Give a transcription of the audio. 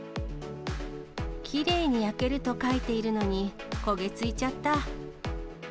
きれいに焼けると書いているのに、焦げ付いちゃった。